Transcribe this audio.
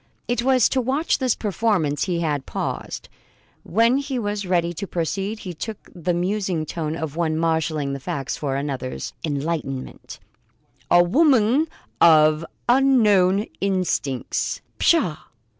It was to watch this performance he had paused. When he was ready to proceed, he took the musing tone of one marshalling facts for another's enlightenment: "A woman of unknown instincts " "Pshaw!"